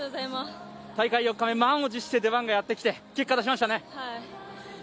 大会４日目、満を持して出番がやってきて結果を出しましたね。